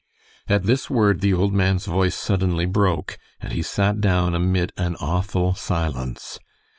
At this word the old man's voice suddenly broke, and he sat down amid an awful silence.